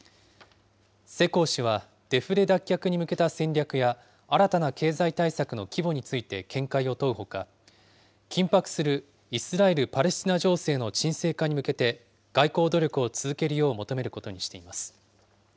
世耕氏は、デフレ脱却に向けた戦略や、新たな経済対策の規模について見解を問うほか、緊迫するイスラエル・パレスチナ情勢の沈静化に向けて、外交努力を続けるよう求めることにしています。